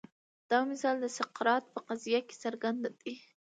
دا مثال د سقراط په قضیه کې څرګند دی.